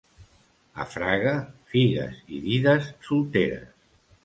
A Fraga, figues i dides solteres.